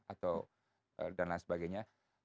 atau dan lain sebagainya